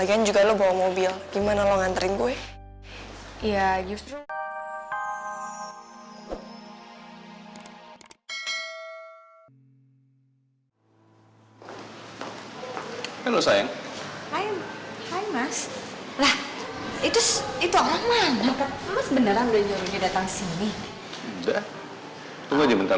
kenapa kamu gak suka kalau boy diajar